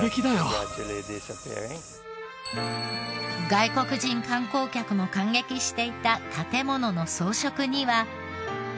外国人観光客も感激していた建ものの装飾には。